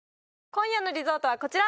今夜のリゾートはこちら！